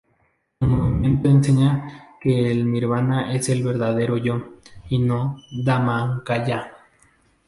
El Movimiento enseña que el nirvana es el "verdadero yo" o "Dhammakaya".